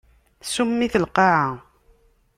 Tsum-it lqaɛa.